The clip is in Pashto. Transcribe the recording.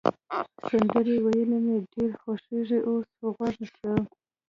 سندرې ویل مي ډېر خوښیږي، اوس غوږ شه.